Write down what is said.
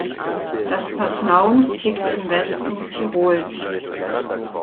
Das Paznaun liegt im Westen Tirols.